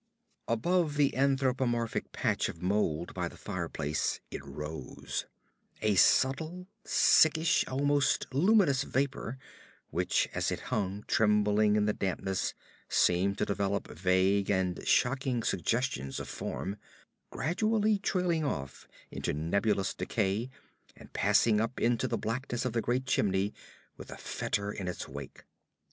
Above the anthropomorphic patch of mold by the fireplace it rose; a subtle, sickish, almost luminous vapor which as it hung trembling in the dampness seemed to develop vague and shocking suggestions of form, gradually trailing off into nebulous decay and passing up into the blackness of the great chimney with a fetor in its wake.